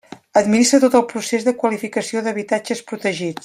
Administra tot el procés de qualificació d'habitatges protegits.